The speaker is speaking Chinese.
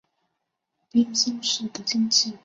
滨松市的经济在战后亦有大幅发展。